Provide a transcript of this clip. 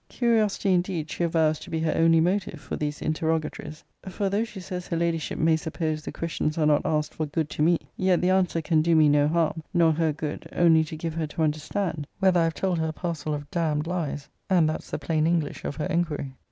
Curiosity indeed she avows to be her only motive for these interrogatories: for, though she says her Ladyship may suppose the questions are not asked for good to me, yet the answer can do me no harm, nor her good, only to give her to understand, whether I have told her a parcel of d d lyes; that's the plain English of her inquiry.